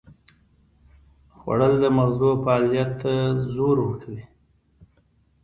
خوړل د مغزو فعالیت ته زور ورکوي